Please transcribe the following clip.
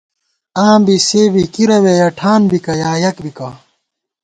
آں بی سے بی کِرَوے یَہ ٹھان بِکہ یا یَک بِکہ